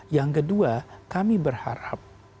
yang kedua kami berharap